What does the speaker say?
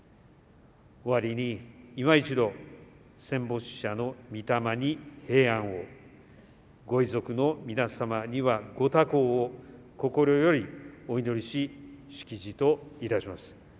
終わりに、いま一度戦没者の御霊に平安をご遺族の皆様にはご多幸を心よりお祈りし式辞といたします。